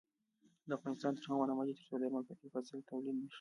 افغانستان تر هغو نه ابادیږي، ترڅو درمل په کیفیت سره تولید نشي.